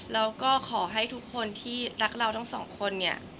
แล้วก็ขอให้ทุกคนที่รักเราทั้งสองคนเนี่ย